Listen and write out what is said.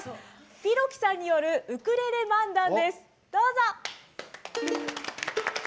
ぴろきさんによるウクレレ漫談です。